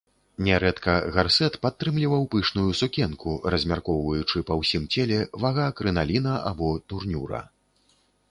Нярэдка гарсэт падтрымліваў пышную сукенку, размяркоўваючы па ўсім целе вага крыналіна або турнюра.